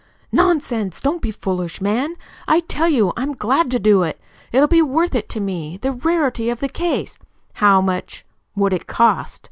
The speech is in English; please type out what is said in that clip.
"Nonsense! Don't be foolish, man. I tell you I'm glad to do it. It'll be worth it to me the rarity of the case " "How much would it cost?"